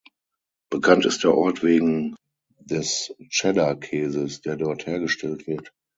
Bekannt ist der Ort wegen des Cheddar-Käses, der dort hergestellt wird.